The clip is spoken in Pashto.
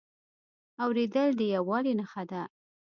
اورېدل د یووالي نښه ده.